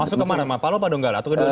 masuk kemana mampalo atau donggala